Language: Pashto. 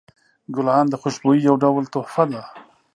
ګلان د خوشبویۍ یو ډول تحفه ده.